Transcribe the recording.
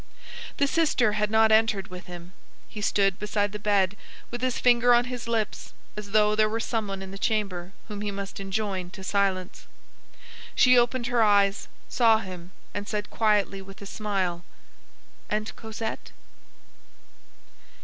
The sister had not entered with him. He stood beside the bed, with his finger on his lips, as though there were some one in the chamber whom he must enjoin to silence. She opened her eyes, saw him, and said quietly, with a smile:— "And Cosette?"